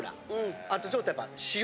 あとちょっとやっぱ塩。